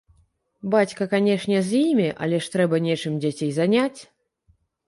Бацька, канешне, з імі, але ж трэба нечым дзяцей заняць.